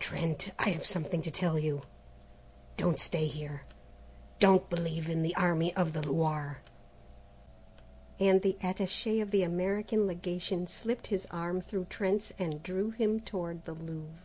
"Trent, I have something to tell you. Don't stay here, don't believe in the Army of the Loire:" and the attaché of the American Legation slipped his arm through Trent's and drew him toward the Louvre.